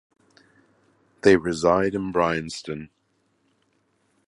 They reside in Bryanston.